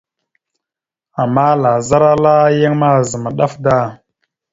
Ama lazar ala yan mazam ɗaf da.